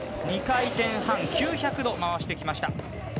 ２回転半、９００度回してきました。